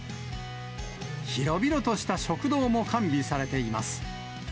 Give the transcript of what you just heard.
広々とした食堂も完備されています。